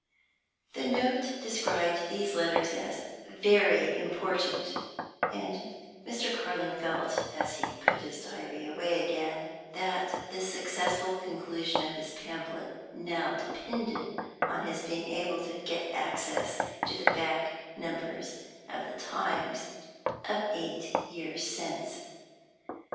The note described these letters as "very important," and Mr. Carling felt, as he put his Diary away again, that the successful conclusion of his pamphlet now depended on his being able to get access to the back numbers of the Times of eight years since.